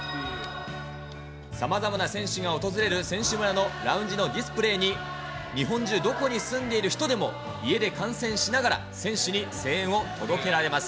さまざまな選手が訪れる選手村のラウンジのディスプレーに、日本中どこに住んでいる人でも、家で観戦しながら、選手に声援を届けられます。